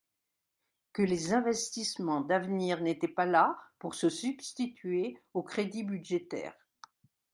que les investissements d’avenir n’étaient pas là pour se substituer aux crédits budgétaires.